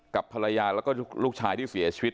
กับภรรยาแล้วก็ลูกชายที่เสียชีวิต